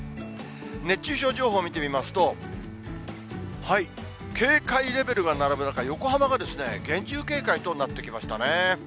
熱中症情報見てみますと、警戒レベルが並ぶ中、横浜がですね、厳重警戒となってきましたね。